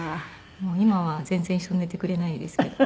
今は全然一緒に寝てくれないですけど。